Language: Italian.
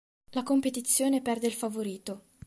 La competizione perde il favorito.